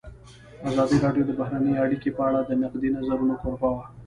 ازادي راډیو د بهرنۍ اړیکې په اړه د نقدي نظرونو کوربه وه.